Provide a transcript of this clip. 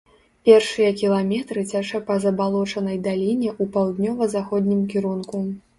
Першыя кіламетры цячэ па забалочанай даліне ў паўднёва-заходнім кірунку.